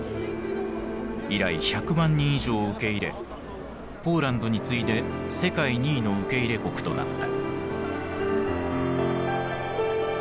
以来１００万人以上を受け入れポーランドに次いで世界２位の受け入れ国となった。